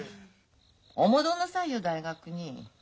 お戻んなさいよ大学に。